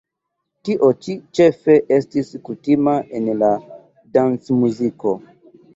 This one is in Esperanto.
Tio ĉi ĉefe estis kutima en la dancmuziko.